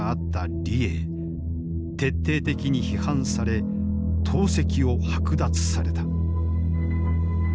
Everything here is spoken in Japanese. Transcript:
徹底的に批判され党籍を剥奪された。